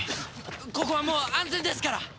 ここはもう安全ですから。